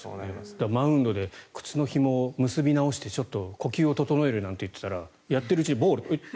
マウンドで靴のひもを結び直して呼吸整えるなんてやっていたらやっているうちにボールと。